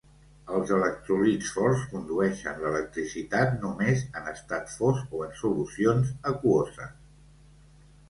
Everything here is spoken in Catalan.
Els electròlits forts condueixen l'electricitat "només" en estat fos o en solucions aquoses.